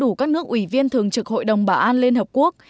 trong khi các nước ủy viên thường trực hội đồng bảo an liên hợp quốc